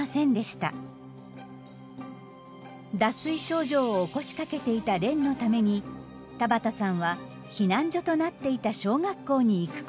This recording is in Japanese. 脱水症状を起こしかけていた蓮のために田畑さんは避難所となっていた小学校に行くことを決意。